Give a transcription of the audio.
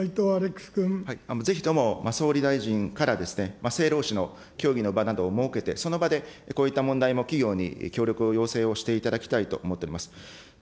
ぜひとも、総理大臣から、政労使の協議の場などを設けて、その場で、こういった問題も企業に、協力を要請をしていただきたいと思っております。